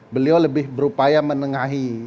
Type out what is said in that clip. beliau lebih berupaya menengahi